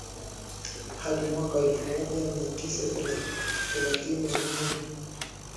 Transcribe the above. hadi mwaka elfumoja miatisa thelathini na nne